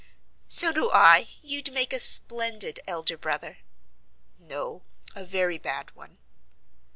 "So do I; you'd make a splendid elder brother." "No, a very bad one."